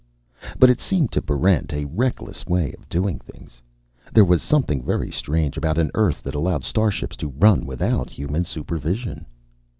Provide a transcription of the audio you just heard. But it seemed to Barrent a reckless way of doing things. There was something very strange about an Earth that allowed starships to run without human supervision.